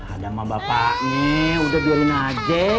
adama bapaknya udah biarin aja